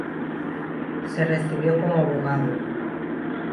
Se recibió como abogado.